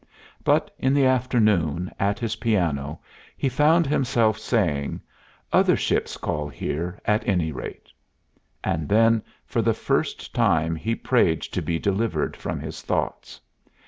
But in the afternoon, at his piano, he found himself saying, "Other ships call here, at any rate." And then for the first time he prayed to be delivered from his thoughts.